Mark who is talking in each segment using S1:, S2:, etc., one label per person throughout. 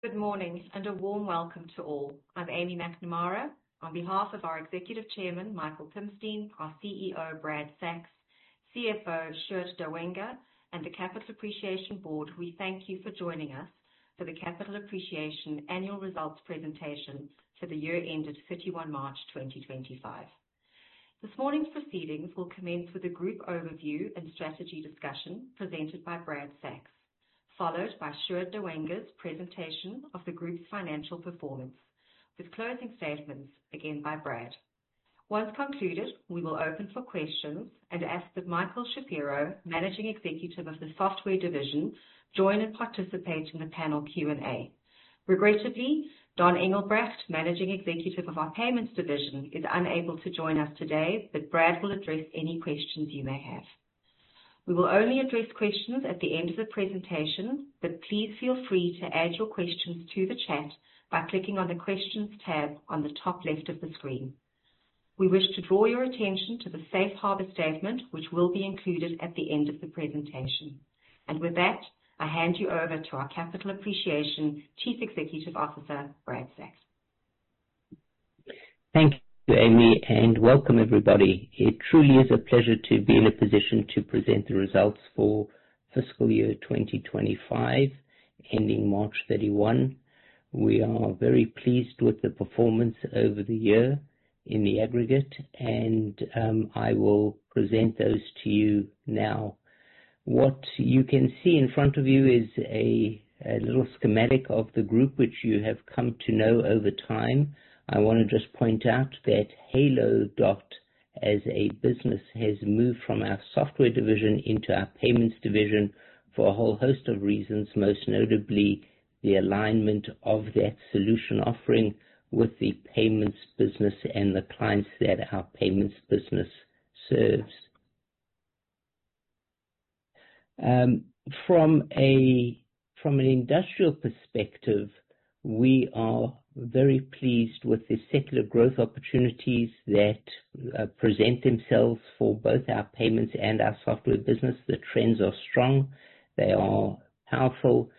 S1: Good morning and a warm welcome to all. I'm Aimee McNamara. On behalf of our Executive Chairman, Michael Pimstein, our CEO, Bradley Sacks, CFO, Sjoerd Douwenga, and the Capital Appreciation Board, we thank you for joining us for the Capital Appreciation Annual Results Presentation for the year ended 31 March 2025. This morning's proceedings will commence with a group overview and strategy discussion presented by Bradley Sacks, followed by Sjoerd Douwenga's presentation of the group's financial performance, with closing statements again by Brad. Once concluded, we will open for questions and ask that Michael Shapiro, Managing Executive of the Software Division, join and participate in the panel Q&A. Regrettably, Donn Engelbrecht, Managing Executive of our Payments Division, is unable to join us today, but Brad will address any questions you may have. We will only address questions at the end of the presentation, but please feel free to add your questions to the chat by clicking on the Questions tab on the top left of the screen. We wish to draw your attention to the safe harbor statement, which will be included at the end of the presentation. With that, I hand you over to our Capital Appreciation Chief Executive Officer, Bradley Sacks.
S2: Thank you, Aimee, and welcome everybody. It truly is a pleasure to be in a position to present the results for fiscal year 2025 ending March 31. We are very pleased with the performance over the year in the aggregate, and I will present those to you now. What you can see in front of you is a little schematic of the group, which you have come to know over time. I want to just point out that Halo Dot as a business has moved from our software division into our payments division for a whole host of reasons, most notably the alignment of that solution offering with the payments business and the clients that our payments business serves. From an industrial perspective, we are very pleased with the secular growth opportunities that present themselves for both our payments and our software business. The trends are strong, they are powerful,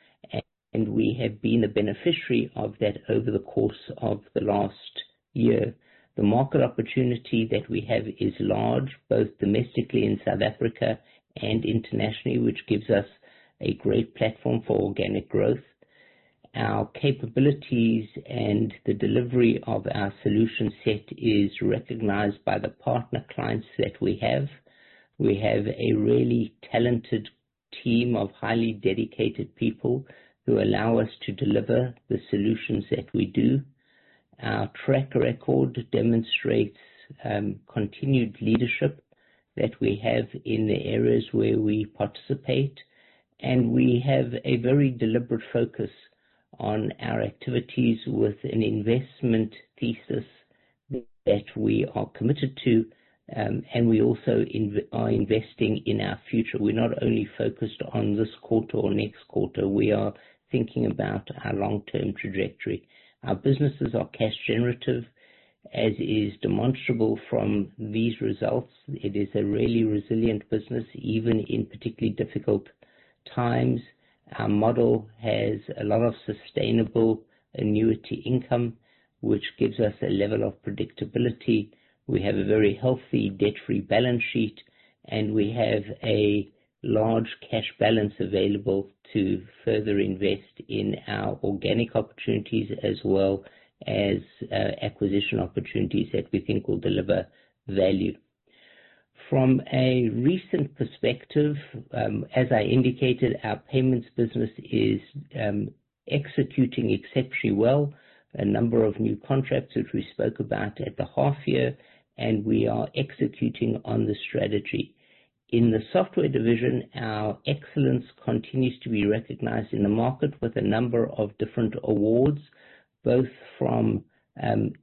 S2: and we have been a beneficiary of that over the course of the last year. The market opportunity that we have is large, both domestically in South Africa and internationally, which gives us a great platform for organic growth. Our capabilities and the delivery of our solution set is recognized by the partner clients that we have. We have a really talented team of highly dedicated people who allow us to deliver the solutions that we do. Our track record demonstrates continued leadership that we have in the areas where we participate, and we have a very deliberate focus on our activities with an investment thesis that we are committed to. We also are investing in our future. We're not only focused on this quarter or next quarter, we are thinking about our long-term trajectory. Our businesses are cash generative, as is demonstrable from these results. It is a really resilient business, even in particularly difficult times. Our model has a lot of sustainable annuity income, which gives us a level of predictability. We have a very healthy debt-free balance sheet, and we have a large cash balance available to further invest in our organic opportunities as well as acquisition opportunities that we think will deliver value. From a recent perspective, as I indicated, our payments business is executing exceptionally well a number of new contracts, which we spoke about at the half year, and we are executing on the strategy. In the software division, our excellence continues to be recognized in the market with a number of different awards, both from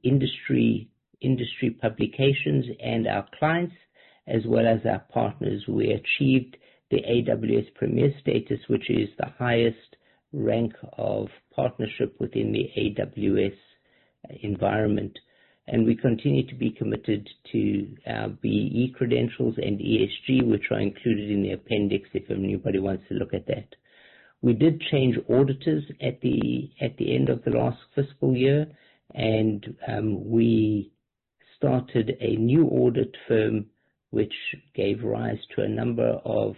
S2: industry publications and our clients as well as our partners. We achieved the AWS Premier status, which is the highest rank of partnership within the AWS environment, and we continue to be committed to our BEE credentials and ESG, which are included in the appendix if anybody wants to look at that. We started a new audit firm, which gave rise to a number of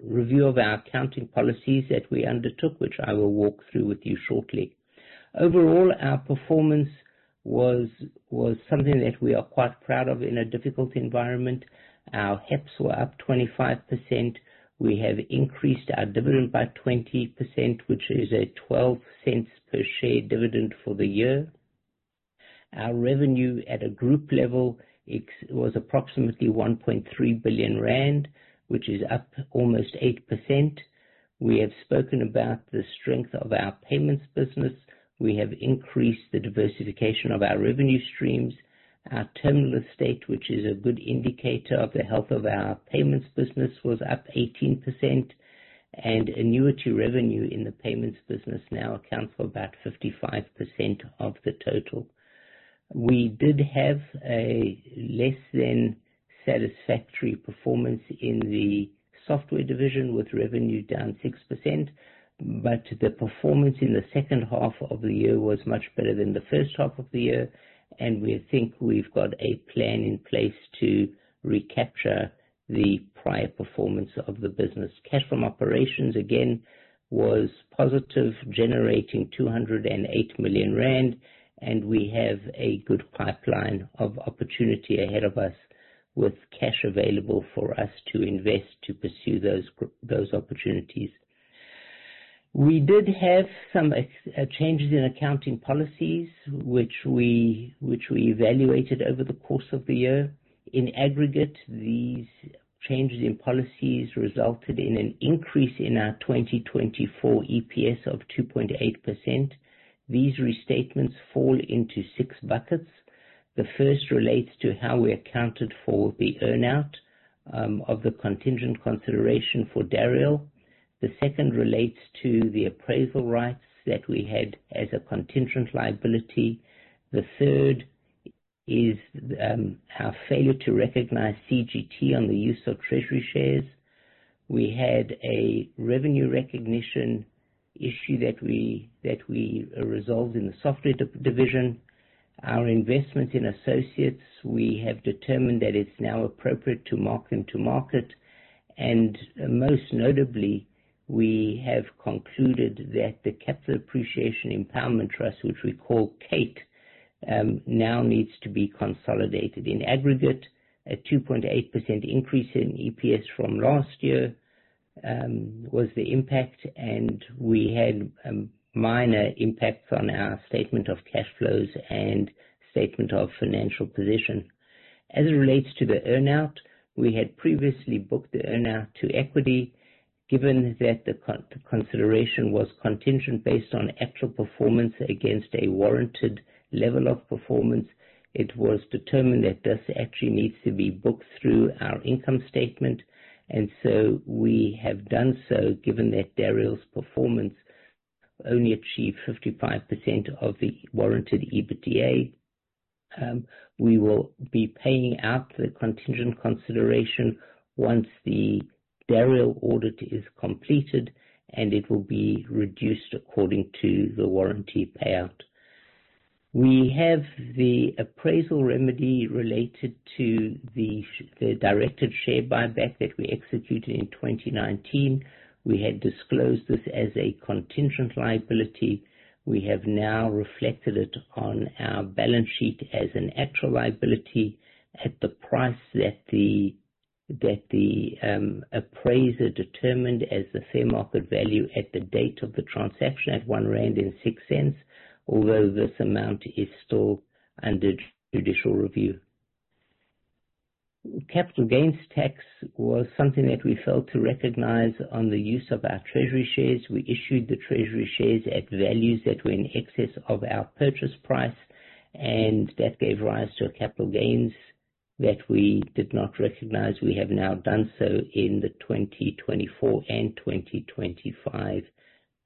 S2: review of our accounting policies that we undertook, which I will walk through with you shortly. Overall, our performance was something that we are quite proud of in a difficult environment. Our HEPS were up 25%. We have increased our dividend by 20%, which is a 0.12 per share dividend for the year. Our revenue at a group level was approximately 1.3 billion rand, which is up almost 8%. We have spoken about the strength of our payments business. We have increased the diversification of our revenue streams. Our terminal estate, which is a good indicator of the health of our payments business, was up 18%, and annuity revenue in the payments business now accounts for about 55% of the total. We did have a less than satisfactory performance in the software division, with revenue down 6%, but the performance in the second half of the year was much better than the first half of the year, and we think we've got a plan in place to recapture the prior performance of the business. Cash from operations, again, was positive, generating 208 million rand, and we have a good pipeline of opportunity ahead of us with cash available for us to invest to pursue those opportunities. We did have some changes in accounting policies, which we evaluated over the course of the year. In aggregate, these changes in policies resulted in an increase in our 2024 EPS of 2.8%. These restatements fall into six buckets. The first relates to how we accounted for the earn-out of the contingent consideration for Dariel. The second relates to the Appraisal Rights that we had as a contingent liability. The third is our failure to recognize CGT on the use of treasury shares. We had a revenue recognition issue that we resolved in the software division. Our investment in associates, we have determined that it's now appropriate to mark them to market. Most notably, we have concluded that the Capital Appreciation Empowerment Trust, which we call CAET, now needs to be consolidated. In aggregate, a 2.8% increase in EPS from last year was the impact, and we had minor impacts on our statement of cash flows and statement of financial position. As it relates to the earn-out, we had previously booked the earn-out to equity. Given that the consideration was contingent based on actual performance against a warranted level of performance, it was determined that this actually needs to be booked through our income statement. We have done so, given that Dariel's performance only achieved 55% of the warranted EBITDA. We will be paying out the contingent consideration once the Dariel audit is completed, and it will be reduced according to the warranty payout. We have the Appraisal Right related to the directed share buyback that we executed in 2019. We had disclosed this as a contingent liability. We have now reflected it on our balance sheet as an actual liability at the price that the appraiser determined as the fair market value at the date of the transaction at 1.06 rand. Although this amount is still under judicial review. Capital Gains Tax was something that we failed to recognize on the use of our treasury shares. We issued the treasury shares at values that were in excess of our purchase price, and that gave rise to Capital Gains that we did not recognize. We have now done so in the 2024 and 2025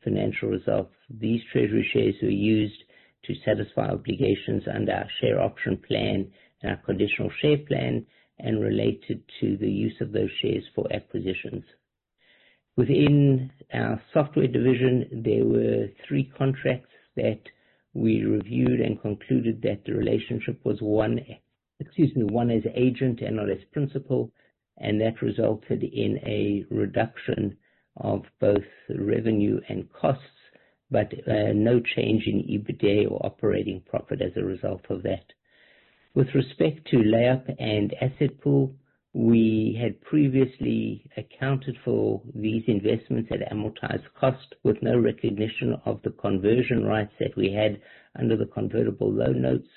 S2: financial results. These treasury shares were used to satisfy obligations under our share option plan and our conditional share plan, and related to the use of those shares for acquisitions. Within our software division, there were three contracts that we reviewed and concluded that the relationship was one, excuse me, one as agent and not as principal, and that resulted in a reduction of both revenue and costs, but no change in EBITDA or operating profit as a result of that. With respect to LayUp and AssetPool, we had previously accounted for these investments at amortized cost with no recognition of the conversion rights that we had under the convertible loan notes.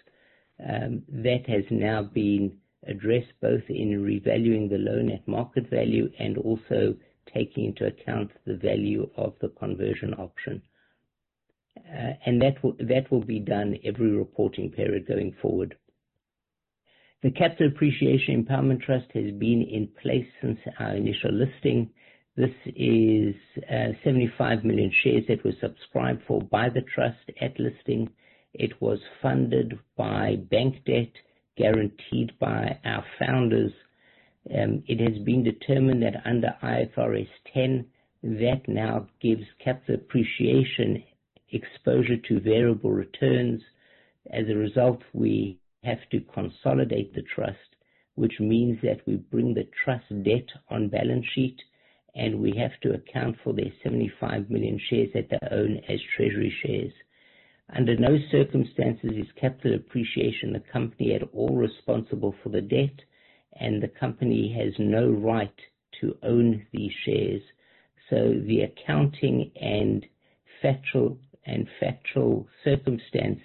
S2: That has now been addressed, both in revaluing the loan at market value and also taking into account the value of the conversion option. That will be done every reporting period going forward. The Capital Appreciation Empowerment Trust has been in place since our initial listing. This is 75 million shares that were subscribed for by the trust at listing. It was funded by bank debt guaranteed by our founders. It has been determined that under IFRS 10, that now gives Capital Appreciation exposure to variable returns. As a result, we have to consolidate the trust, which means that we bring the trust debt on balance sheet, and we have to account for the 75 million shares that they own as treasury shares. Under no circumstances is Capital Appreciation, the company, at all responsible for the debt, and the company has no right to own these shares. The accounting and factual circumstance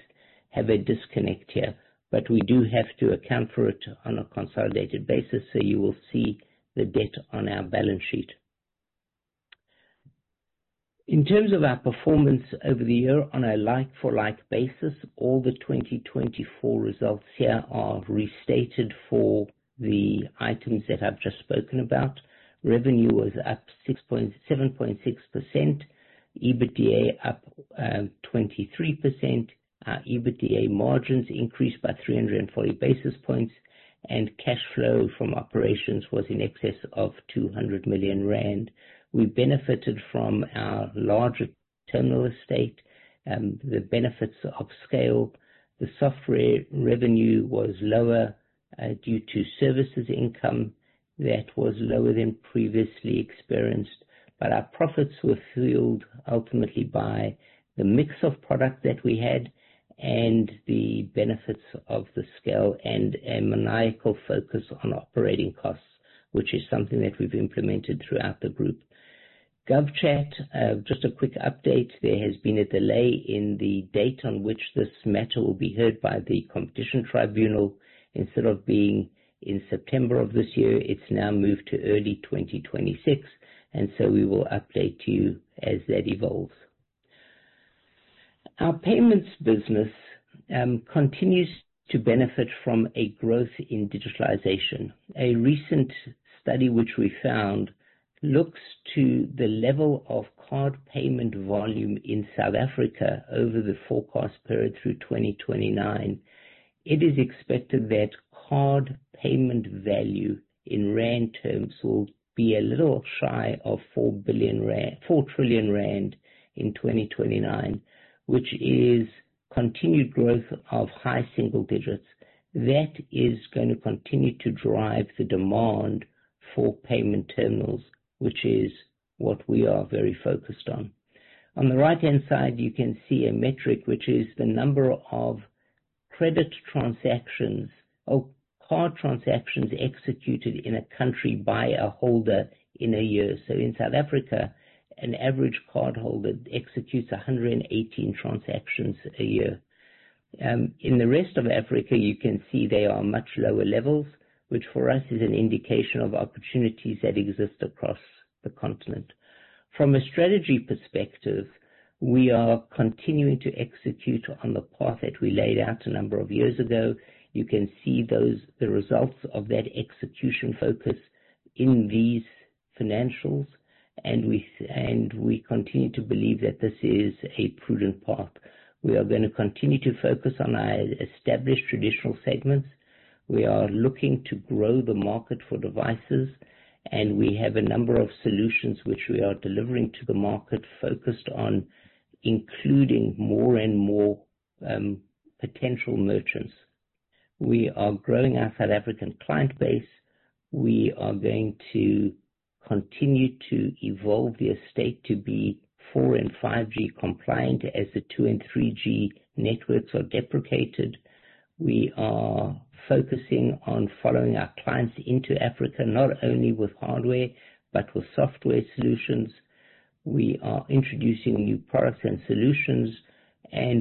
S2: have a disconnect here, but we do have to account for it on a consolidated basis. You will see the debt on our balance sheet. In terms of our performance over the year on a like-for-like basis, all the 2024 results here are restated for the items that I've just spoken about. Revenue was up 7.6%. EBITDA up 23%. Our EBITDA margins increased by 340 basis points, and cash flow from operations was in excess of 200 million rand. We benefited from our larger terminal estate, the benefits of scale. The software revenue was lower due to services income that was lower than previously experienced. Our profits were fueled ultimately by the mix of product that we had and the benefits of the scale and a maniacal focus on operating costs, which is something that we have implemented throughout the group. GovChat, just a quick update. There has been a delay in the date on which this matter will be heard by the Competition Tribunal. Instead of being in September of this year, it is now moved to early 2026. We will update you as that evolves. Our payments business continues to benefit from a growth in digitalization. A recent study which we found looks to the level of card payment volume in South Africa over the forecast period through 2029. It is expected that card payment value in ZAR terms will be a little shy of 4 trillion rand in 2029, which is continued growth of high single digits. That is going to continue to drive the demand for payment terminals, which is what we are very focused on. On the right-hand side, you can see a metric which is the number of credit transactions or card transactions executed in a country by a holder in a year. In South Africa, an average cardholder executes 118 transactions a year. In the rest of Africa, you can see they are much lower levels, which for us is an indication of opportunities that exist across the continent. From a strategy perspective, we are continuing to execute on the path that we laid out a number of years ago. You can see the results of that execution focus in these financials. We continue to believe that this is a prudent path. We are going to continue to focus on our established traditional segments. We are looking to grow the market for devices. We have a number of solutions which we are delivering to the market focused on including more and more potential merchants. We are growing our South African client base. We are going to continue to evolve the estate to be 4G and 5G compliant as the 2G and 3G networks are deprecated. We are focusing on following our clients into Africa, not only with hardware but with software solutions. We are introducing new products and solutions.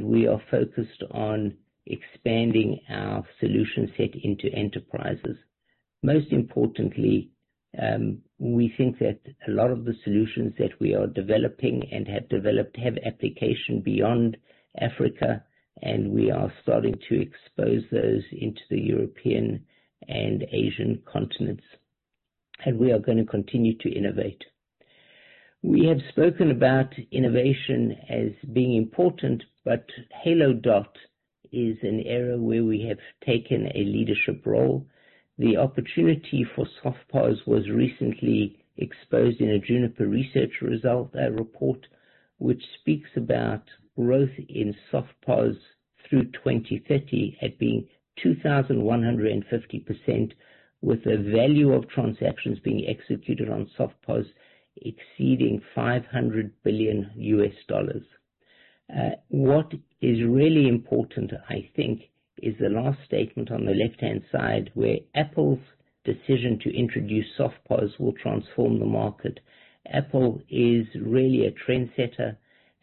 S2: We are focused on expanding our solution set into enterprises. Most importantly, we think that a lot of the solutions that we are developing and have developed have application beyond Africa. We are starting to expose those into the European and Asian continents. We are going to continue to innovate. We have spoken about innovation as being important, but Halo Dot is an area where we have taken a leadership role. The opportunity for soft POS was recently exposed in a Juniper Research report, which speaks about growth in soft POS through 2030 at being 2,150% with the value of transactions being executed on soft POS exceeding $500 billion. What is really important, I think, is the last statement on the left-hand side, where Apple's decision to introduce soft POS will transform the market. Apple is really a trendsetter,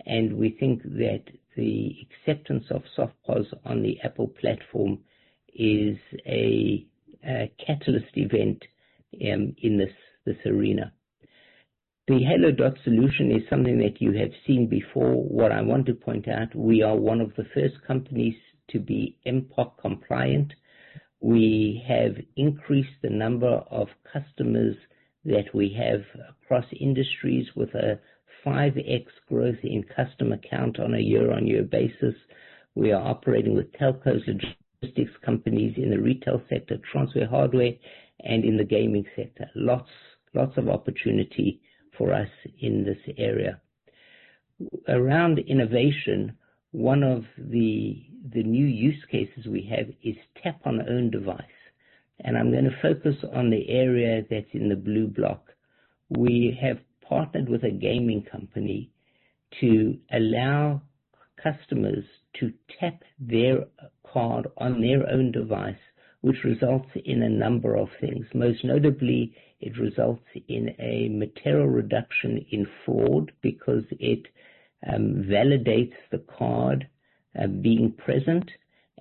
S2: and we think that the acceptance of soft POS on the Apple platform is a catalyst event in this arena. The Halo Dot solution is something that you have seen before. I want to point out, we are one of the first companies to be MPoC-compliant. We have increased the number of customers that we have across industries with a 5x growth in customer count on a year-on-year basis. We are operating with telcos and logistics companies in the retail sector, Transware, and in the gaming sector. Lots of opportunity for us in this area. Around innovation, one of the new use cases we have is tap on own device. I'm going to focus on the area that's in the blue block. We have partnered with a gaming company to allow customers to tap their card on their own device, which results in a number of things. Most notably, it results in a material reduction in fraud because it validates the card being present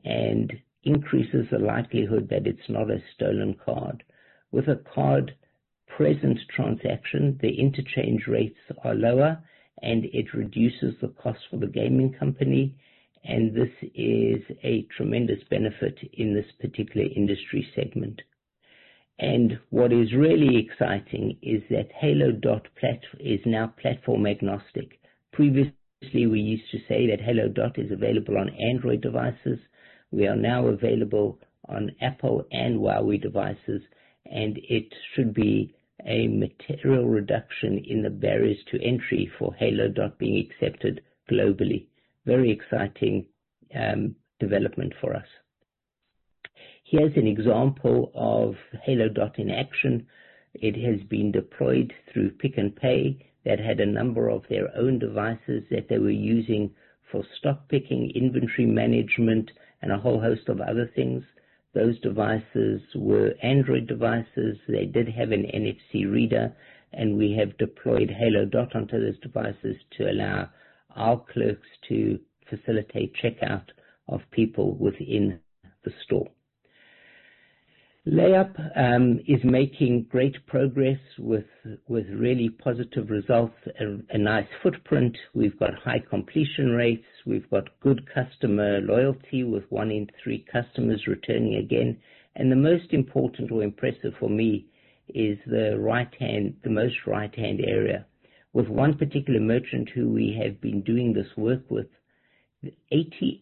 S2: and increases the likelihood that it's not a stolen card. With a card-present transaction, the interchange rates are lower, and it reduces the cost for the gaming company, and this is a tremendous benefit in this particular industry segment. What is really exciting is that Halo Dot is now platform-agnostic. Previously, we used to say that Halo Dot is available on Android devices. We are now available on Apple and Huawei devices, and it should be a material reduction in the barriers to entry for Halo Dot being accepted globally. Very exciting development for us. Here's an example of Halo Dot in action. It has been deployed through Pick n Pay that had a number of their own devices that they were using for stock picking, inventory management, and a whole host of other things. Those devices were Android devices. They did have an NFC reader, and we have deployed Halo Dot onto those devices to allow our clerks to facilitate checkout of people within the store. LayUp is making great progress with really positive results and a nice footprint. We've got high completion rates. We've got good customer loyalty with one in three customers returning again. The most important or impressive for me is the most right-hand area. With one particular merchant who we have been doing this work with, 88%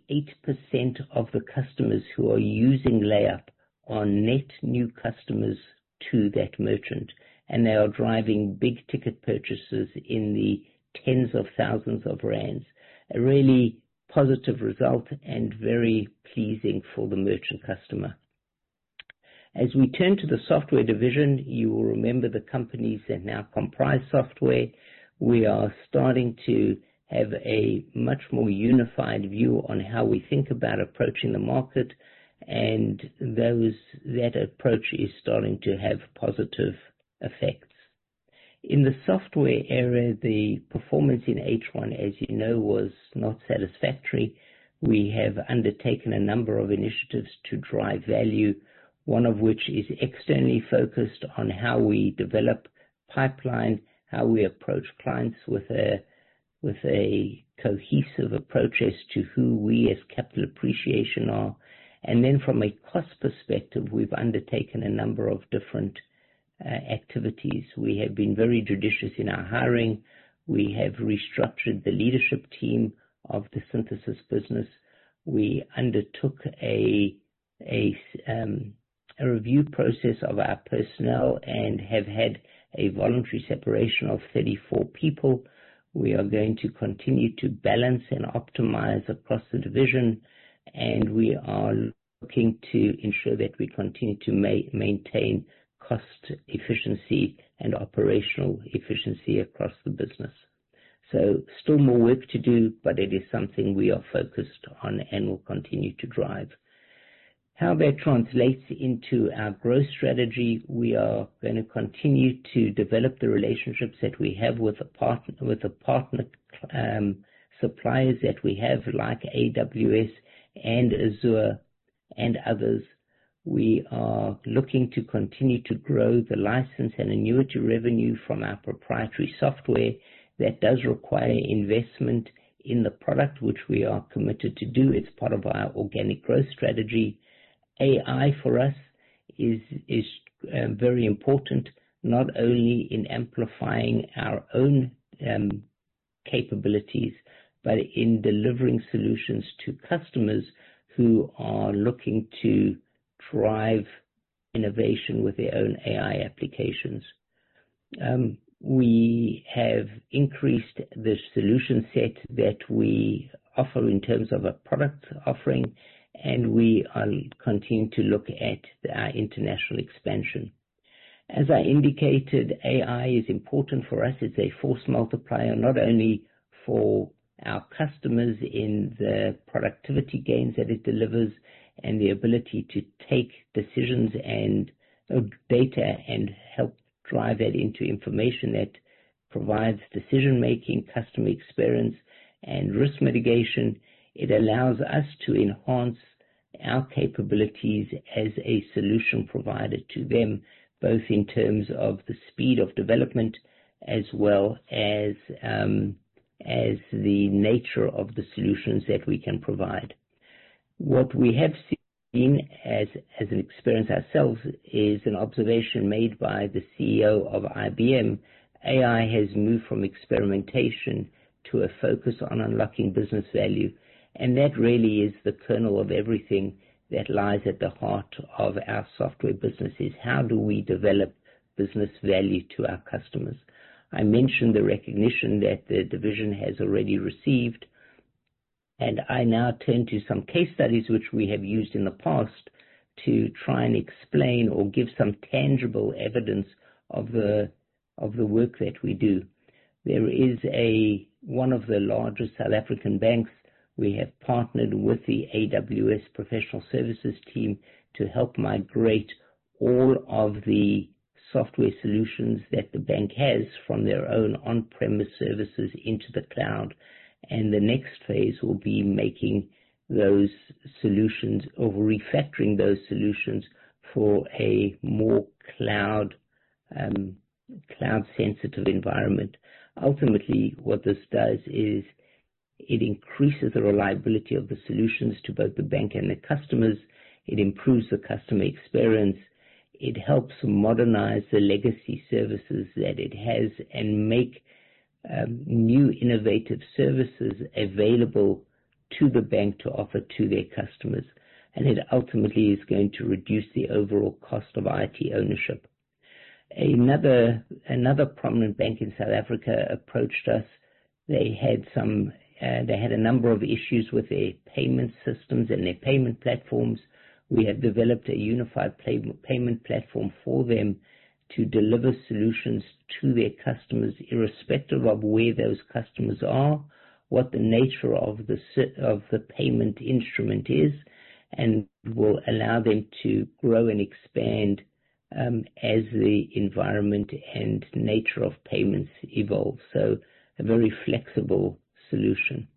S2: of the customers who are using LayUp are net new customers to that merchant, and they are driving big-ticket purchases in the tens of thousands of ZAR. A really positive result and very pleasing for the merchant customer. As we turn to the software division, you will remember the companies that now comprise software. We are starting to have a much more unified view on how we think about approaching the market, and that approach is starting to have positive effects. In the software area, the performance in H1, as you know, was not satisfactory. We have undertaken a number of initiatives to drive value, one of which is externally focused on how we develop pipeline, how we approach clients with a cohesive approach as to who we as Capital Appreciation are. Then from a cost perspective, we've undertaken a number of different activities. We have been very judicious in our hiring. We have restructured the leadership team of the Synthesis business. We undertook a review process of our personnel and have had a voluntary separation of 34 people. We are going to continue to balance and optimize across the division, and we are looking to ensure that we continue to maintain cost efficiency and operational efficiency across the business. Still more work to do, but it is something we are focused on and will continue to drive. How that translates into our growth strategy, we are going to continue to develop the relationships that we have with the partner suppliers that we have, like AWS and Azure, and others. We are looking to continue to grow the license and annuity revenue from our proprietary software that does require investment in the product, which we are committed to do. It's part of our organic growth strategy. AI for us is very important, not only in amplifying our own capabilities, but in delivering solutions to customers who are looking to drive innovation with their own AI applications. We have increased the solution set that we offer in terms of a product offering, and we are continuing to look at our international expansion. As I indicated, AI is important for us. It's a force multiplier, not only for our customers in the productivity gains that it delivers and the ability to take decisions and data and help drive that into information that provides decision-making, customer experience, and risk mitigation. It allows us to enhance our capabilities as a solution provider to them, both in terms of the speed of development as well as the nature of the solutions that we can provide. What we have seen as an experience ourselves is an observation made by the CEO of IBM. AI has moved from experimentation to a focus on unlocking business value, and that really is the kernel of everything that lies at the heart of our software business is how do we develop business value to our customers? I mentioned the recognition that the division has already received, and I now turn to some case studies which we have used in the past to try and explain or give some tangible evidence of the work that we do. There is one of the largest South African banks. We have partnered with the AWS professional services team to help migrate all of the software solutions that the bank has from their own on-premise services into the cloud. The next phase will be making those solutions or refactoring those solutions for a more cloud-sensitive environment. Ultimately, what this does is it increases the reliability of the solutions to both the bank and the customers. It improves the customer experience. It helps modernize the legacy services that it has and make new innovative services available to the bank to offer to their customers. It ultimately is going to reduce the overall cost of IT ownership. Another prominent bank in South Africa approached us. They had a number of issues with their payment systems and their payment platforms. We have developed a unified payment platform for them to deliver solutions to their customers, irrespective of where those customers are, what the nature of the payment instrument is, and will allow them to grow and expand as the environment and nature of payments evolve. A very flexible solution.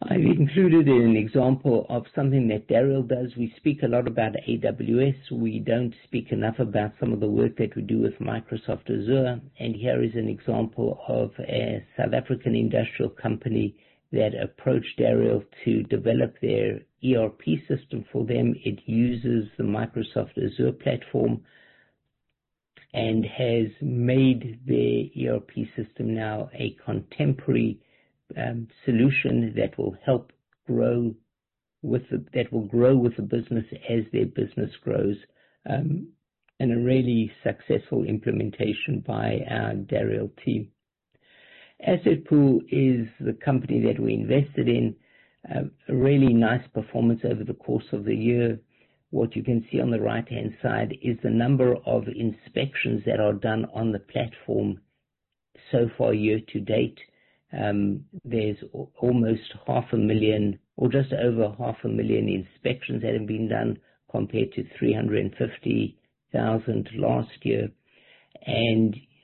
S2: I've included an example of something that Dariel does. We speak a lot about AWS. We don't speak enough about some of the work that we do with Microsoft Azure, and here is an example of a South African industrial company that approached Dariel to develop their ERP system for them. It uses the Microsoft Azure platform and has made their ERP system now a contemporary solution that will grow with the business as their business grows. A really successful implementation by our Dariel team. AssetPool is the company that we invested in. A really nice performance over the course of the year. What you can see on the right-hand side is the number of inspections that are done on the platform so far year to date. There's almost half a million or just over half a million inspections that have been done compared to 350,000 last year.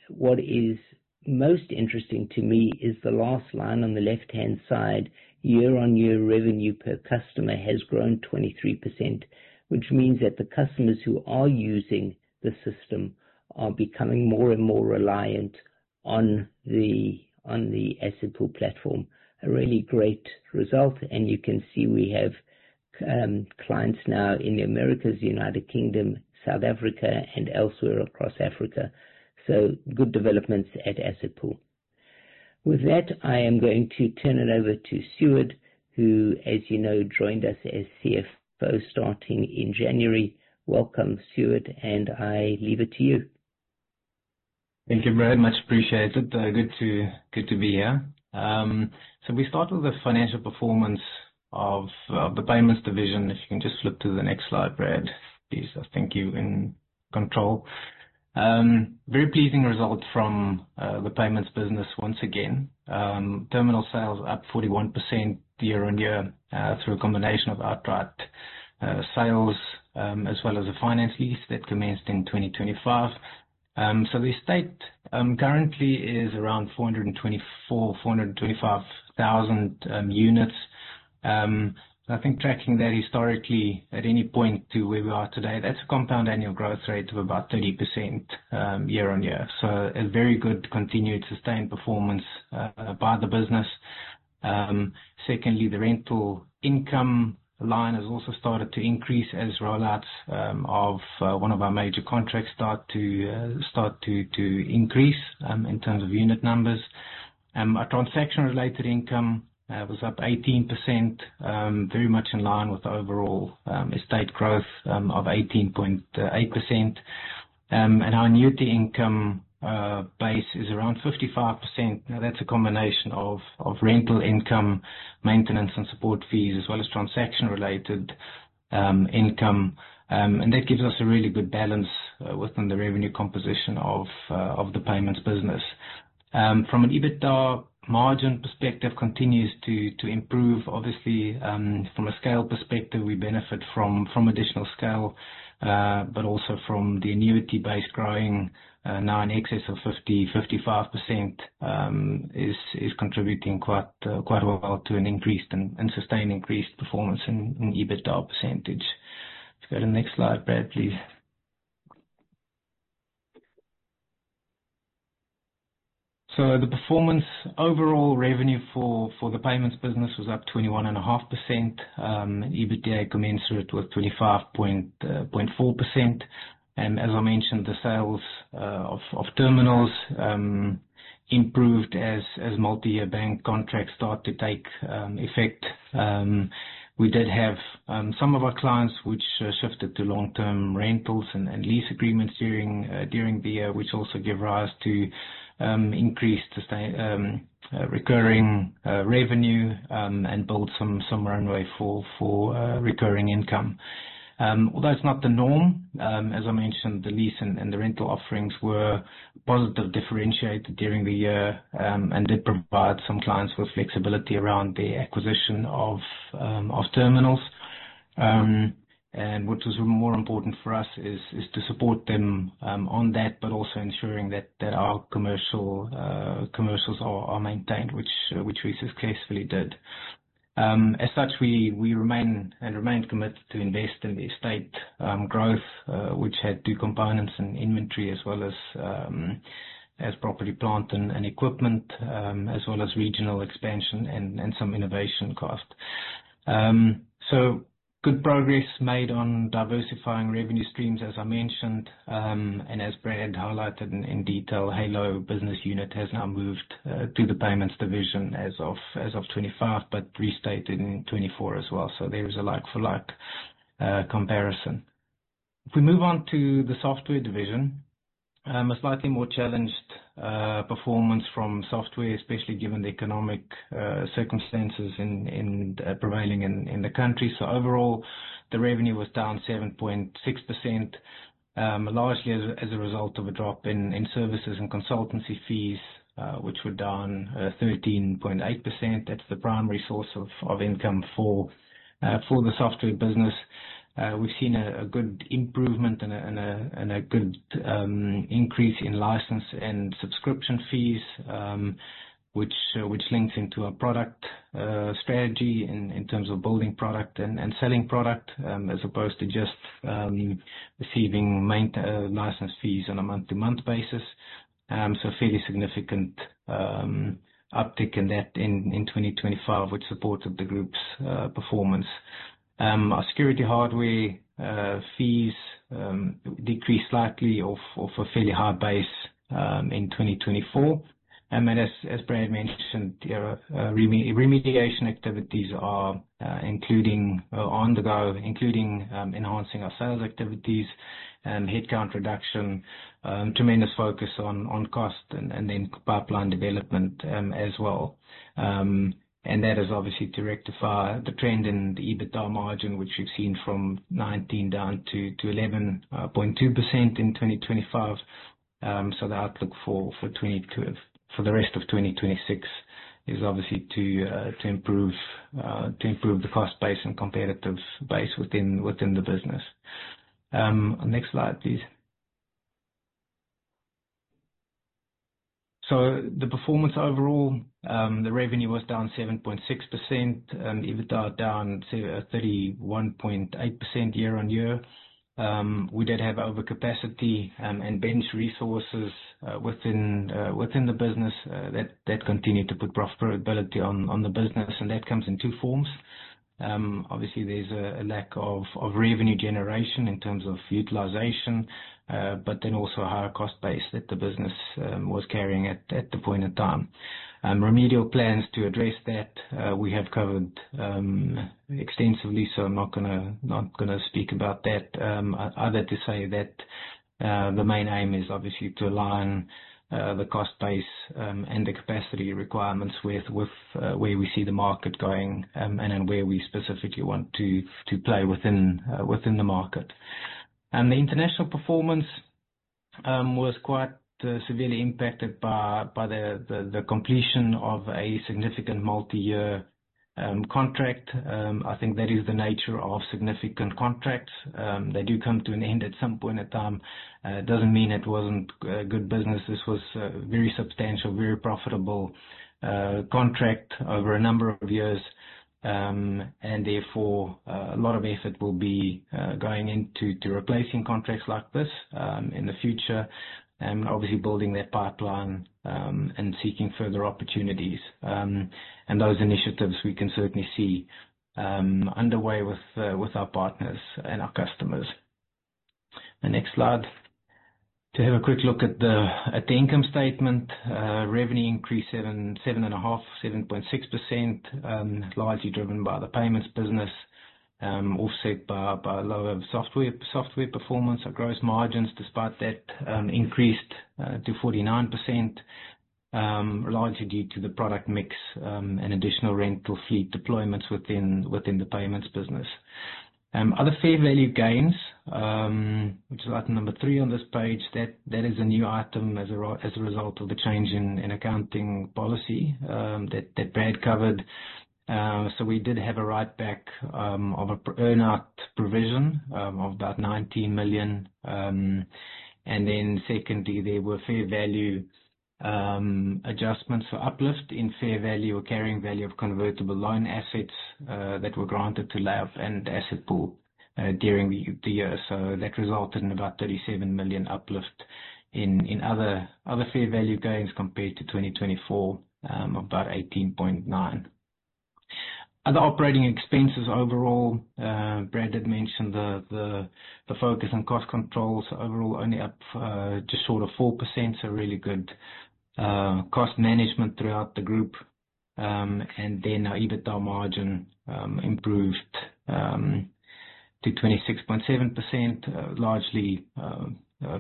S2: What is most interesting to me is the last line on the left-hand side, year-on-year revenue per customer has grown 23%, which means that the customers who are using the system are becoming more and more reliant on the AssetPool platform. A really great result. You can see we have clients now in the Americas, United Kingdom, South Africa, and elsewhere across Africa. Good developments at AssetPool. With that, I am going to turn it over to Sjoerd, who, as you know, joined us as CFO starting in January. Welcome, Sjoerd, and I leave it to you.
S3: Thank you, Brad. Much appreciated. Good to be here. We start with the financial performance of the payments division. If you can just flip to the next slide, Brad, please. I think you're in control. Very pleasing result from the payments business once again. Terminal sales up 41% year-on-year, through a combination of outright sales as well as a finance lease that commenced in 2025. The estate currently is around 424,000, 425,000 units. I think tracking that historically at any point to where we are today, that's a compound annual growth rate of about 30% year-on-year. A very good continued sustained performance by the business. Secondly, the rental income line has also started to increase as rollouts of one of our major contracts start to increase in terms of unit numbers. Our transaction-related income was up 18%, very much in line with the overall estate growth of 18.8%. Our annuity income base is around 55%. That's a combination of rental income, maintenance, and support fees as well as transaction-related income. That gives us a really good balance within the revenue composition of the payments business. From an EBITDA margin perspective, continues to improve. Obviously, from a scale perspective, we benefit from additional scale, but also from the annuity base growing now in excess of 50%, 55% is contributing quite well to an increased and sustained increased performance in EBITDA percentage. Let's go to the next slide, Brad, please. The performance overall revenue for the payments business was up 21.5%. EBITDA commensurate with 25.4%. As I mentioned, the sales of terminals improved as multiyear bank contracts start to take effect. We did have some of our clients which shifted to long-term rentals and lease agreements during the year, which also give rise to increased recurring revenue, build some runway for recurring income. Although it's not the norm, as I mentioned, the lease and the rental offerings were positively differentiated during the year, and did provide some clients with flexibility around the acquisition of terminals. What was more important for us is to support them on that, but also ensuring that our commercials are maintained, which we successfully did. As such, we remain committed to invest in the estate growth, which had two components in inventory as well as property, plant, and equipment, as well as regional expansion and some innovation cost. Good progress made on diversifying revenue streams, as I mentioned. As Brad highlighted in detail, Halo business unit has now moved to the payments division as of 2025, but restated in 2024 as well. There is a like-for-like comparison. If we move on to the software division, a slightly more challenged performance from software, especially given the economic circumstances prevailing in the country. Overall, the revenue was down 7.6%, largely as a result of a drop in services and consultancy fees, which were down 13.8%. That's the primary source of income for the software business. We've seen a good improvement and a good increase in license and subscription fees, which links into our product strategy in terms of building product and selling product, as opposed to just receiving maintenance license fees on a month-to-month basis. A fairly significant uptick in that in 2025, which supported the group's performance. Our security hardware fees decreased slightly off a fairly high base in 2024. As Brad mentioned, remediation activities are ongoing, including enhancing our sales activities, headcount reduction, tremendous focus on cost, pipeline development as well. That is obviously to rectify the trend in the EBITDA margin, which we've seen from 19 down to 11.2% in 2025. The outlook for the rest of 2026 is obviously to improve the cost base and competitive base within the business. Next slide, please. The performance overall, the revenue was down 7.6%. EBITDA down 31.8% year-on-year. We did have overcapacity and bench resources within the business that continued to put profitability on the business. That comes in two forms. Obviously, there's a lack of revenue generation in terms of utilization. Also a higher cost base that the business was carrying at the point of time. Remedial plans to address that we have covered extensively, I'm not going to speak about that. Other to say that the main aim is obviously to align the cost base and the capacity requirements with where we see the market going and where we specifically want to play within the market. The international performance was quite severely impacted by the completion of a significant multi-year contract. I think that is the nature of significant contracts. They do come to an end at some point in time. It doesn't mean it wasn't good business. This was a very substantial, very profitable contract over a number of years. Therefore, a lot of effort will be going into replacing contracts like this in the future and obviously building that pipeline, and seeking further opportunities. Those initiatives we can certainly see underway with our partners and our customers. The next slide. To have a quick look at the income statement. Revenue increased 7.6%, largely driven by the payments business, offset by lower software performance. Our gross margins, despite that, increased to 49%, largely due to the product mix and additional rental fleet deployments within the payments business. Other fair value gains, which is item number three on this page. That is a new item as a result of the change in accounting policy that Brad covered. We did have a write-back of an earn-out provision of about 19 million. Secondly, there were fair value adjustments for uplift in fair value or carrying value of convertible loan assets that were granted to LayUp and AssetPool during the year. That resulted in about 37 million uplift in other fair value gains compared to 2024, about 18.9 million. Other operating expenses overall, Brad did mention the focus on cost controls overall only up just short of 4%. Really good cost management throughout the group. Our EBITDA margin improved to 26.7%, largely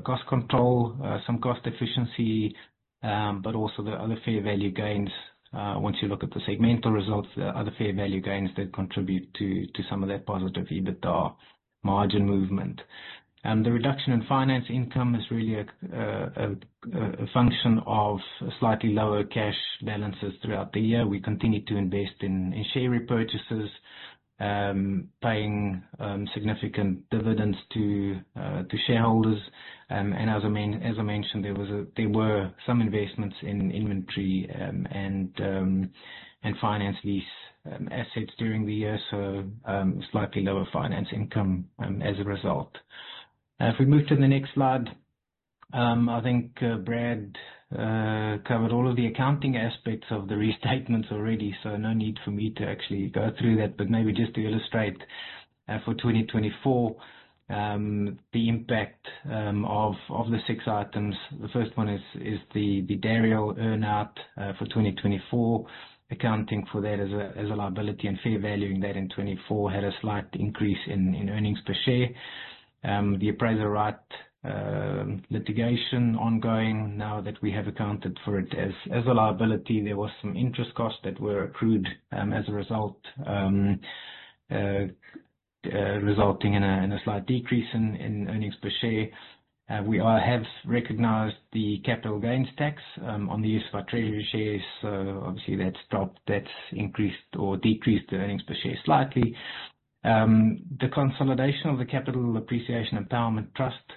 S3: cost control, some cost efficiency, but also the other fair value gains. Once you look at the segmental results, other fair value gains that contribute to some of that positive EBITDA margin movement. The reduction in finance income is really a function of slightly lower cash balances throughout the year. We continued to invest in share repurchases, paying significant dividends to shareholders. As I mentioned, there were some investments in inventory and finance lease assets during the year, slightly lower finance income as a result. If we move to the next slide, I think Brad covered all of the accounting aspects of the restatements already, no need for me to actually go through that. Maybe just to illustrate for 2024, the impact of the six items. The first one is the Dariel earn-out for 2024. Accounting for that as a liability and fair valuing that in 2024 had a slight increase in earnings per share. The Appraisal Right litigation ongoing now that we have accounted for it as a liability. There was some interest costs that were accrued as a result, resulting in a slight decrease in earnings per share. We have recognized the capital gains tax on the use of our treasury shares, obviously that's dropped. That's increased or decreased the earnings per share slightly. The consolidation of the Capital Appreciation Empowerment Trust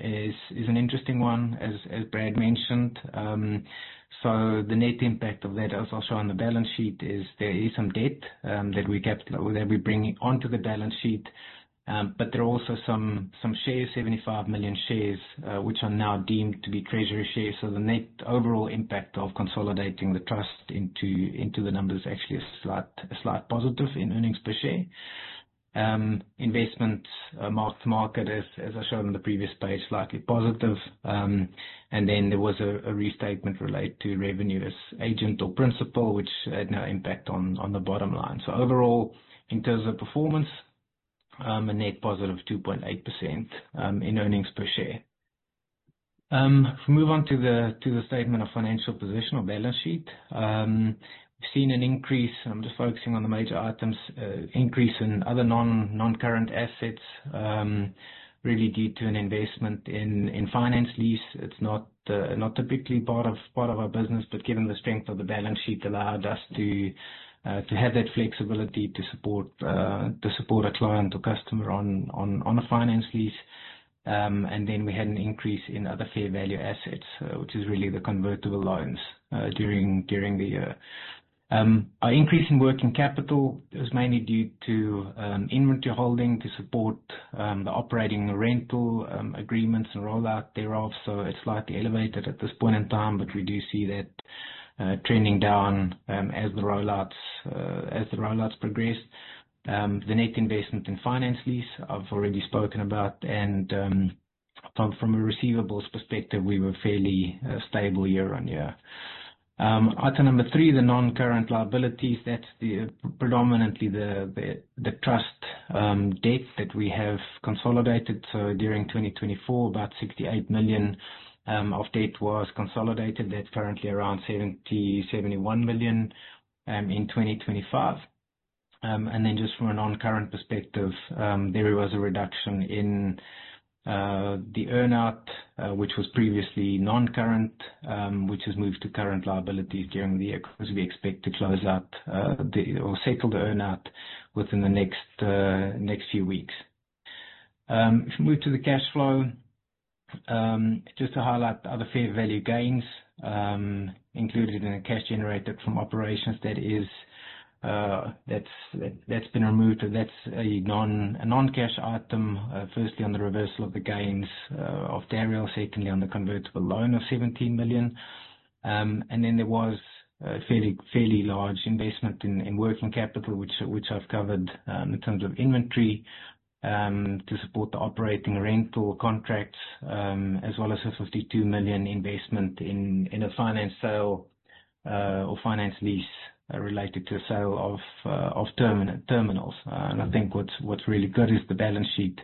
S3: is an interesting one, as Brad mentioned. The net impact of that, as I'll show on the balance sheet, is there is some debt that we're bringing onto the balance sheet. But there are also some shares, 75 million shares, which are now deemed to be treasury shares. The net overall impact of consolidating the trust into the numbers is actually a slight positive in earnings per share. Investments marked to market, as I showed on the previous page, slightly positive. There was a restatement related to revenue as agent or principal, which had no impact on the bottom line. Overall, in terms of performance, a net positive of 2.8% in earnings per share. If we move on to the statement of financial position or balance sheet. We've seen an increase, I'm just focusing on the major items, increase in other non-current assets, really due to an investment in finance lease. It's not typically part of our business, but given the strength of the balance sheet, allowed us to have that flexibility to support a client or customer on a finance lease. We had an increase in other fair value assets, which is really the convertible loans during the year. Our increase in working capital is mainly due to inventory holding to support the operating rental agreements and rollout thereof. It's slightly elevated at this point in time, but we do see that trending down as the rollouts progress. The net investment in finance lease, I've already spoken about, and from a receivables perspective, we were fairly stable year on year. Item number 3, the non-current liabilities. That's predominantly the trust debt that we have consolidated. During 2024, about 68 million of debt was consolidated. That's currently around 70 million, 71 million in 2025. Just from a non-current perspective, there was a reduction in the earn-out, which was previously non-current, which has moved to current liabilities during the year, because we expect to close out or settle the earn-out within the next few weeks. If we move to the cash flow. Just to highlight the other fair value gains included in the cash generated from operations that's been removed, and that's a non-cash item. Firstly, on the reversal of the gains of Dariel. Secondly, on the convertible loan of 17 million. There was a fairly large investment in working capital, which I've covered, in terms of inventory to support the operating rental contracts, as well as a 52 million investment in a finance sale or finance lease related to a sale of terminals. I think what's really good is the balance sheet,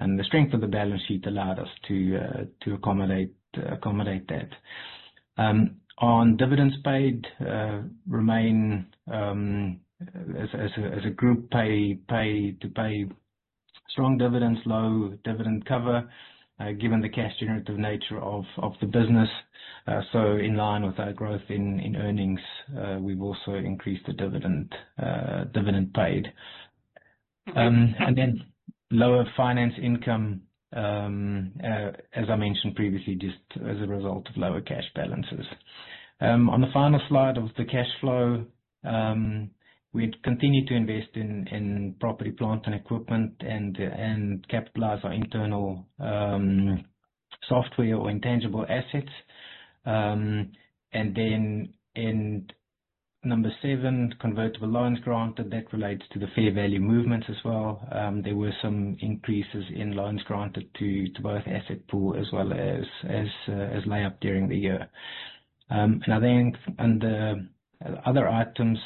S3: and the strength of the balance sheet allowed us to accommodate that. On dividends paid, remain as a group to pay strong dividends, low dividend cover, given the cash generative nature of the business. In line with our growth in earnings, we've also increased the dividend paid. Lower finance income, as I mentioned previously, just as a result of lower cash balances. On the final slide of the cash flow, we continue to invest in property, plant, and equipment and capitalize our internal software or intangible assets. In number 7, convertible loans granted, that relates to the fair value movements as well. There were some increases in loans granted to both AssetPool as well as LayUp during the year. Under other items,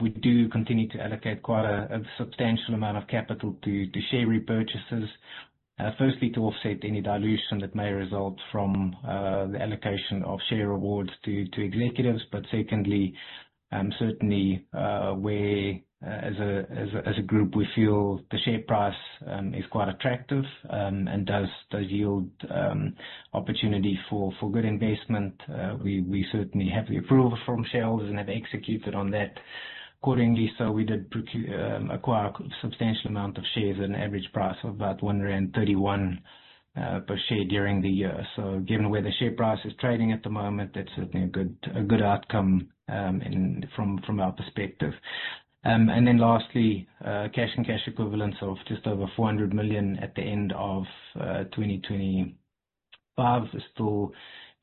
S3: we do continue to allocate quite a substantial amount of capital to share repurchases. Firstly, to offset any dilution that may result from the allocation of share awards to executives. Secondly, certainly, where as a group we feel the share price is quite attractive and does yield opportunity for good investment. We certainly have the approval from shareholders and have executed on that. Accordingly, we did acquire a substantial amount of shares at an average price of about 1.31 per share during the year. Given where the share price is trading at the moment, that's certainly a good outcome from our perspective. Lastly, cash and cash equivalents of just over 400 million at the end of 2025 is still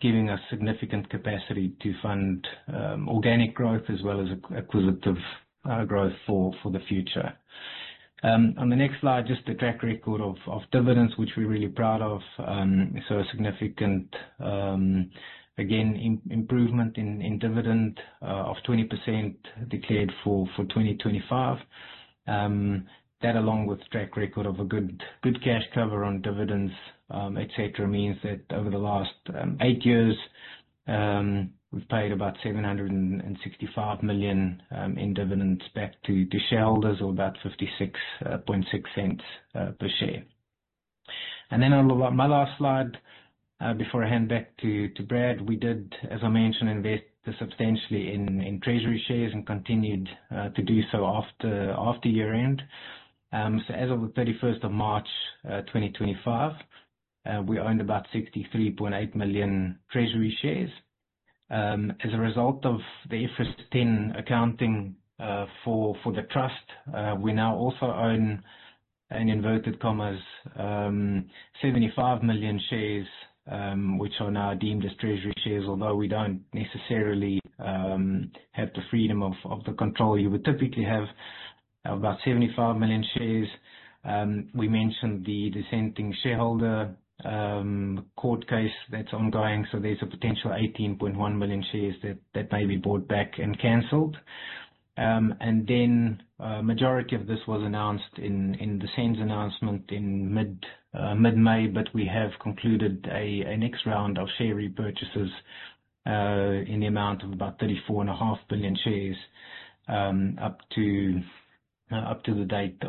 S3: giving us significant capacity to fund organic growth as well as acquisitive growth for the future. On the next slide, just the track record of dividends, which we're really proud of. A significant, again, improvement in dividend of 20% declared for 2025. That, along with track record of a good cash cover on dividends, et cetera, means that over the last eight years, we've paid about 765 million in dividends back to shareholders or about 0.566 per share. On my last slide, before I hand back to Brad, we did, as I mentioned, invest substantially in treasury shares and continued to do so after year-end. As of the 31st of March 2025, we owned about 63.8 million treasury shares. As a result of the IFRS 10 accounting for the trust, we now also own, in inverted commas, 75 million shares, which are now deemed as treasury shares, although we don't necessarily have the freedom of the control you would typically have. About 75 million shares. We mentioned the dissenting shareholder court case that's ongoing, there's a potential 18.1 million shares that may be bought back and canceled. A majority of this was announced in the same announcement in mid-May, but we have concluded a next round of share repurchases in the amount of about 34.5 million shares up to date.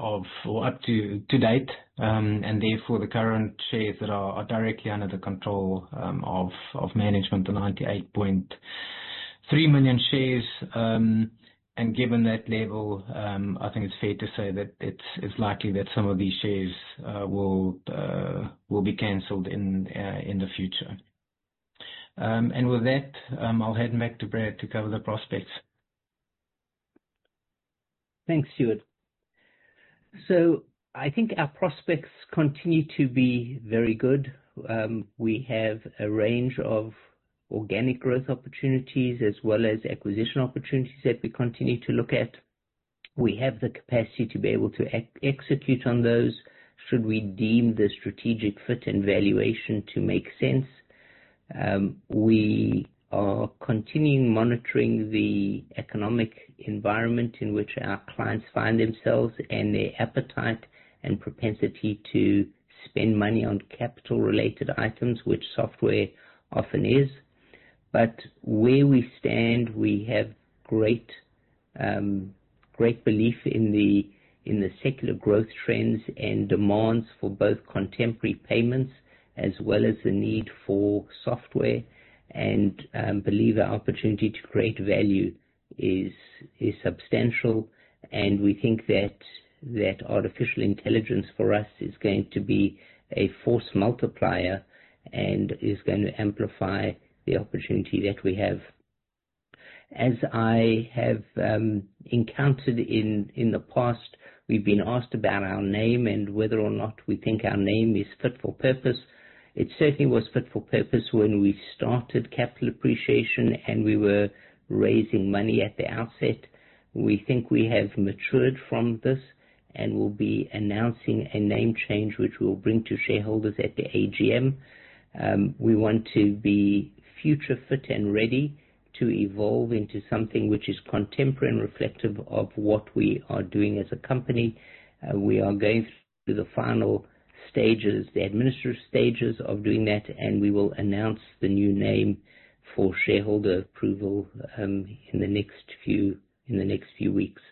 S3: The current shares that are directly under the control of management are 98.3 million shares. Given that level, I think it's fair to say that it's likely that some of these shares will be canceled in the future. With that, I'll hand back to Brad to cover the prospects.
S2: Thanks, Sjoerd. I think our prospects continue to be very good. We have a range of organic growth opportunities as well as acquisition opportunities that we continue to look at. We have the capacity to be able to execute on those should we deem the strategic fit and valuation to make sense. We are continuing monitoring the economic environment in which our clients find themselves and their appetite and propensity to spend money on capital-related items, which software often is. Where we stand, we have great belief in the secular growth trends and demands for both contemporary payments as well as the need for software, and believe the opportunity to create value is substantial. We think that artificial intelligence for us is going to be a force multiplier and is going to amplify the opportunity that we have. As I have encountered in the past, we've been asked about our name and whether or not we think our name is fit for purpose. It certainly was fit for purpose when we started Capital Appreciation and we were raising money at the outset. We think we have matured from this and will be announcing a name change, which we'll bring to shareholders at the AGM. We want to be future fit and ready to evolve into something which is contemporary and reflective of what we are doing as a company. We are going through the final stages, the administrative stages of doing that, we will announce the new name for shareholder approval in the next few weeks.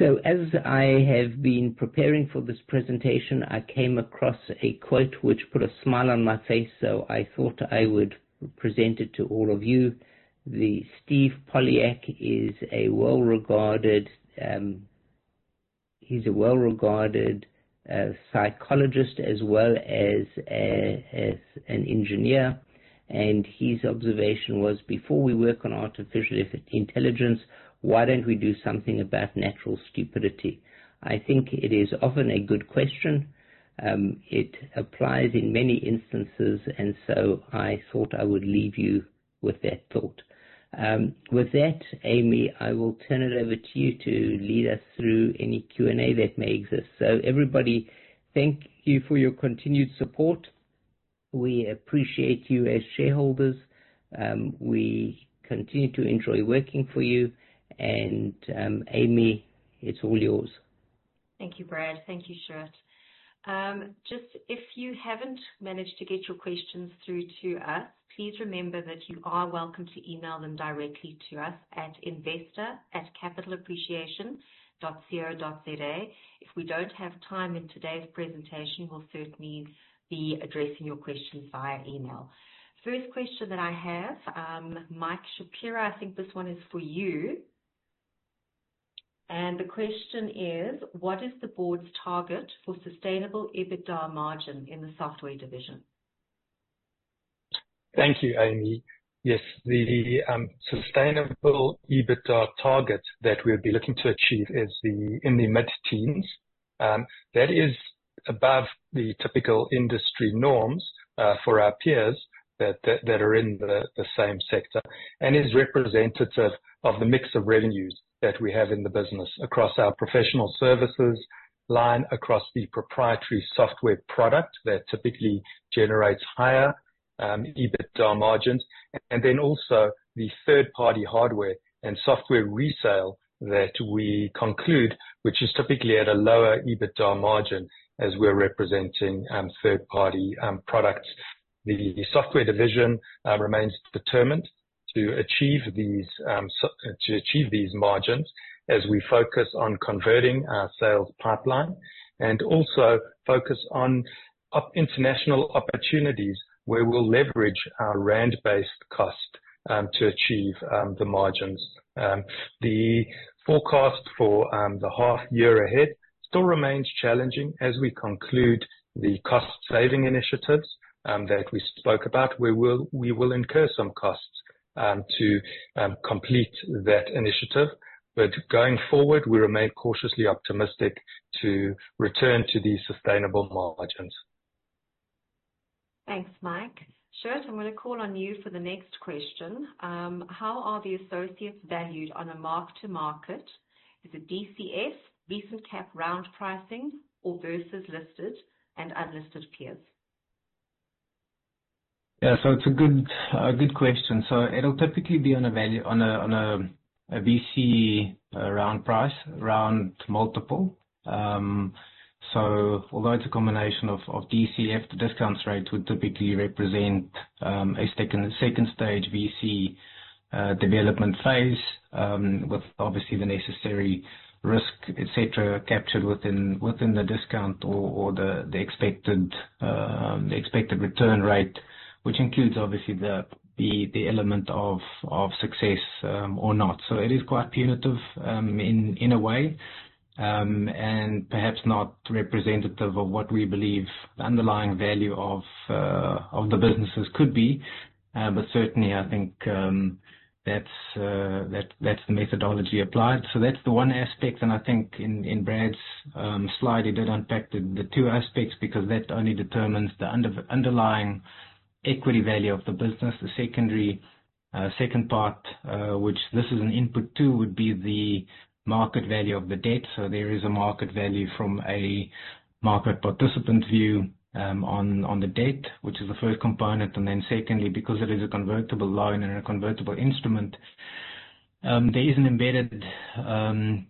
S2: As I have been preparing for this presentation, I came across a quote which put a smile on my face, I thought I would present it to all of you. Steve Polyak is a well-regarded psychologist as well as an engineer. His observation was, "Before we work on artificial intelligence, why don't we do something about natural stupidity?" I think it is often a good question. It applies in many instances, I thought I would leave you with that thought. With that, Aimee, I will turn it over to you to lead us through any Q&A that may exist. Everybody, thank you for your continued support. We appreciate you as shareholders. We continue to enjoy working for you. Aimee, it's all yours.
S1: Thank you, Brad. Thank you, Sjoerd. If you haven't managed to get your questions through to us, please remember that you are welcome to email them directly to us at investor@capitalappreciation.co.za. If we don't have time in today's presentation, we'll certainly be addressing your questions via email. First question that I have, Michael Shapiro, I think this one is for you. The question is: What is the board's target for sustainable EBITDA margin in the software division?
S4: Thank you, Aimee. The sustainable EBITDA target that we'll be looking to achieve is in the mid-teens. That is above the typical industry norms for our peers that are in the same sector, is representative of the mix of revenues that we have in the business across our professional services line, across the proprietary software product that typically generates higher EBITDA margins, also the third-party hardware and software resale that we conclude, which is typically at a lower EBITDA margin as we're representing third-party products. The software division remains determined to achieve these margins as we focus on converting our sales pipeline, focus on international opportunities where we'll leverage our ZAR-based cost to achieve the margins. The forecast for the half year ahead still remains challenging as we conclude the cost-saving initiatives that we spoke about. We will incur some costs to complete that initiative. Going forward, we remain cautiously optimistic to return to these sustainable margins.
S1: Thanks, Mike. Sjoerd, I'm going to call on you for the next question: How are the associates valued on a mark to market? Is it DCF, recent cap round pricing, or versus listed and unlisted peers?
S3: It's a good question. It'll typically be on a VC round price, round multiple. Although it's a combination of DCF, the discount rate would typically represent a stage 2 VC development phase, with obviously the necessary risk, et cetera, captured within the discount or the expected return rate, which includes obviously the element of success or not. It is quite punitive in a way, and perhaps not representative of what we believe the underlying value of the businesses could be. Certainly, I think that's the methodology applied. That's the one aspect, and I think in Brad's slide, it did unpack the 2 aspects, because that only determines the underlying equity value of the business. The second part, which this is an input to, would be the market value of the debt. There is a market value from a market participant view on the debt, which is the 1st component. Secondly, because it is a convertible loan and a convertible instrument, there is an embedded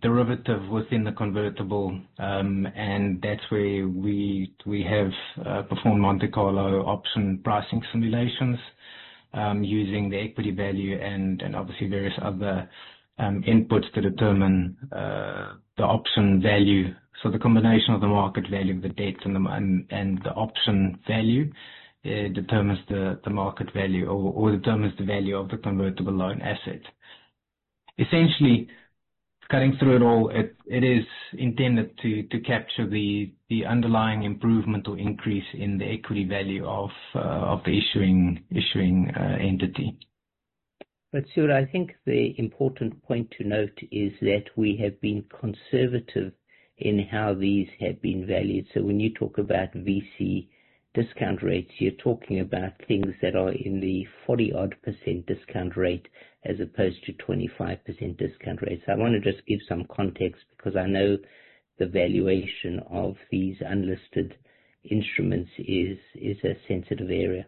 S3: derivative within the convertible. That's where we have performed Monte Carlo option pricing simulations using the equity value and obviously various other inputs to determine the option value. The combination of the market value of the debt and the option value, it determines the market value or determines the value of the convertible loan asset. Essentially, cutting through it all, it is intended to capture the underlying improvement or increase in the equity value of the issuing entity.
S2: Sjoerd, I think the important point to note is that we have been conservative in how these have been valued. When you talk about VC discount rates, you're talking about things that are in the 40% odd discount rate as opposed to 25% discount rate. I want to just give some context because I know the valuation of these unlisted instruments is a sensitive area.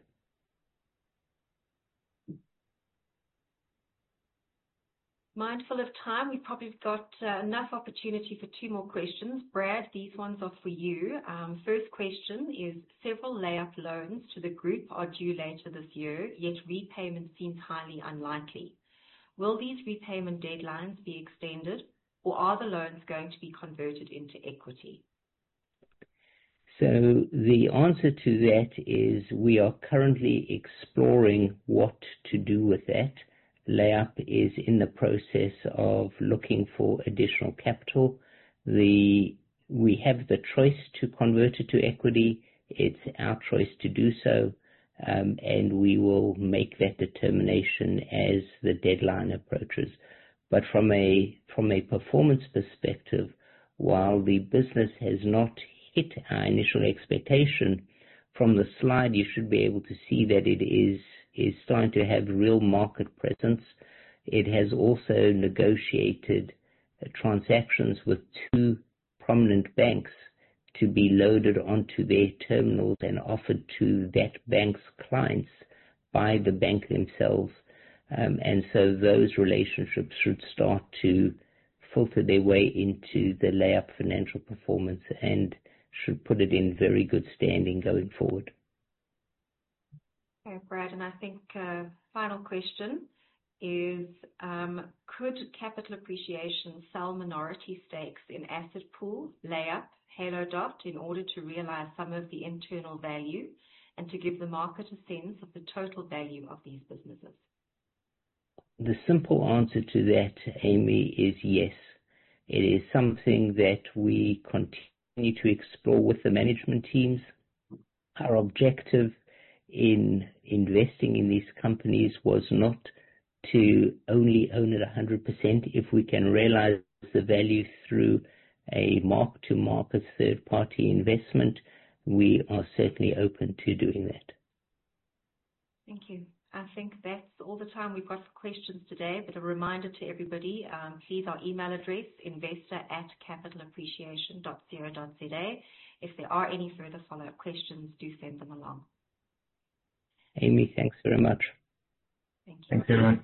S1: Mindful of time, we've probably got enough opportunity for two more questions. Brad, these ones are for you. First question is: Several LayUp loans to the group are due later this year, yet repayment seems highly unlikely. Will these repayment deadlines be extended, or are the loans going to be converted into equity?
S2: The answer to that is we are currently exploring what to do with that. LayUp is in the process of looking for additional capital. We have the choice to convert it to equity. It's our choice to do so, and we will make that determination as the deadline approaches. From a performance perspective, while the business has not hit our initial expectation, from the slide, you should be able to see that it is starting to have real market presence. It has also negotiated transactions with two prominent banks to be loaded onto their terminals and offered to that bank's clients by the bank themselves. Those relationships should start to filter their way into the LayUp financial performance and should put it in very good standing going forward.
S1: Okay, Brad. I think final question is: Could Capital Appreciation sell minority stakes in AssetPool, LayUp, Halo Dot, in order to realize some of the internal value and to give the market a sense of the total value of these businesses?
S2: The simple answer to that, Aimee, is yes. It is something that we continue to explore with the management teams. Our objective in investing in these companies was not to only own it 100%. If we can realize the value through a mark-to-market third-party investment, we are certainly open to doing that.
S1: Thank you. I think that's all the time we've got for questions today. A reminder to everybody, please, our email address, investor@capitalappreciation.co.za. If there are any further follow-up questions, do send them along.
S2: Aimee, thanks very much.
S1: Thank you.
S3: Thanks, everyone.